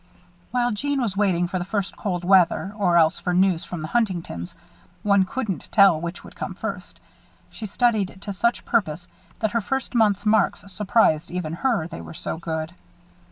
While Jeanne was waiting for the first cold weather or else for news from the Huntingtons one couldn't tell which would come first she studied to such purpose that her first month's marks surprised even herself, they were so good.